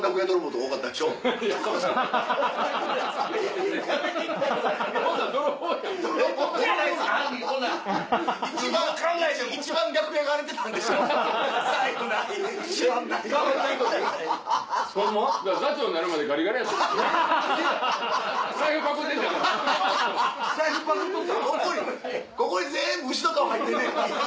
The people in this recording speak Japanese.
ここにここに全部牛の革入ってんねん。